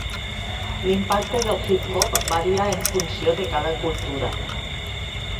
L'impacte del hip-hop varia en funció de cada cultura.